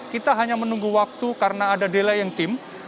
kita hanya menunggu waktu karena ada delay yang tim